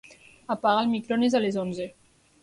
Apaga el microones a les onze.